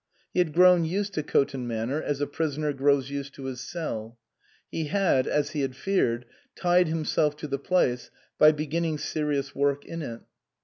He had grown used to Coton Manor as a prisoner grows used to his cell. He had, as he had feared, tied himself to the place by beginning serious work in it.